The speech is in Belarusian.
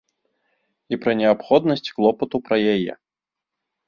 І пра неабходнасць клопату пра яе.